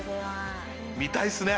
見たいですね！